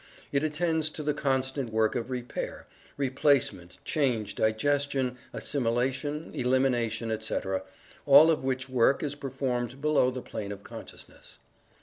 It attends to the constant work of repair; replacement; change; digestion; assimilation; elimination, etc., all of which work is performed below the plane of consciousness.